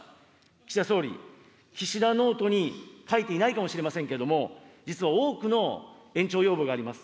岸田総理、岸田ノートに書いていないかもしれませんけども、実は多くの延長要望があります。